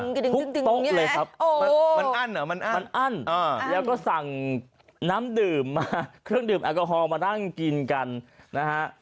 ทุกโต๊ะเลยครับมันอั้นเหรอมันอั้นมันอั้นแล้วก็สั่งน้ำดื่มมาเครื่องดื่มแอลกอฮอลมานั่งกินกันนะฮะ